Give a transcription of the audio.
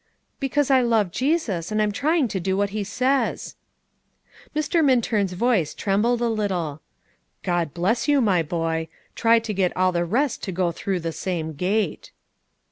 "Because I love Jesus, and I'm trying to do what He says." Mr. Minturn's voice trembled a little: "God bless you, my boy; try to get all the rest to go through the same gate."